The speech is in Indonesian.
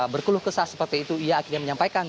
berkeluh kesah seperti itu ia akhirnya menyampaikan